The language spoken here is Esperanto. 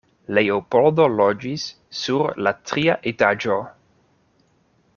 Leopoldo loĝis sur la tria etaĝo.